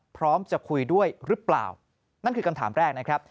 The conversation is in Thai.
พร้อมจะคุยด้วยหรือเปล่านั่นคือคำถามแรกนะครับ